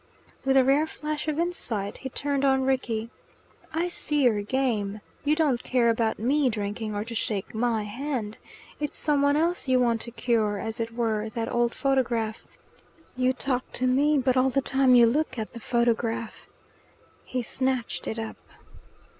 With a rare flash of insight he turned on Rickie. "I see your game. You don't care about ME drinking, or to shake MY hand. It's some one else you want to cure as it were, that old photograph. You talk to me, but all the time you look at the photograph." He snatched it up.